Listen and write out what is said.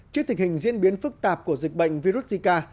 trước tình hình diễn biến phức tạp của dịch bệnh virus zika